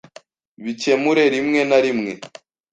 Bikemure rimwe na rimwe.